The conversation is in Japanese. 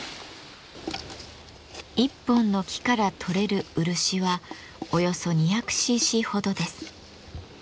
一本の木からとれる漆はおよそ２００ｃｃほどです。